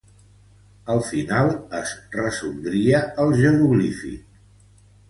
Al final, es resoldria el jeroglífic.